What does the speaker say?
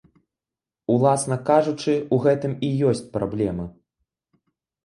Уласна кажучы, у гэтым і ёсць праблема.